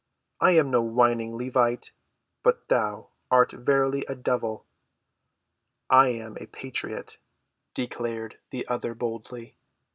I am no whining Levite; but thou—art verily a devil." "I am a patriot," declared the other boldly.